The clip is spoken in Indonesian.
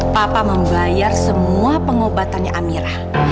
papa membayar semua pengobatannya amirah